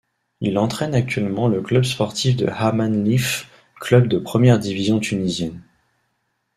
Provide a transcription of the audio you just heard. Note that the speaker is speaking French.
Il entraine actuellement le Club sportif de Hammam-Lif, club du première division tunisienne.